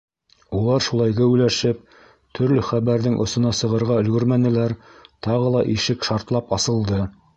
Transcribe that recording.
Улар, шулай геүләшеп, төрлө хәбәрҙең осона сығырға өлгөрмәнеләр, тағы ла ишек шартлап асылды.